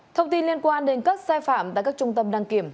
thông tin liên quan đến các sai phạm tại các trung tâm đăng kiểm